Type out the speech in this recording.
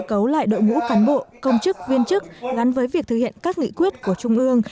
cơ cấu lại đội ngũ cán bộ công chức viên chức gắn với việc thực hiện các nghị quyết của trung ương